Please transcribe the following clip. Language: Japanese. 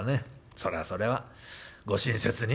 『それはそれはご親切に。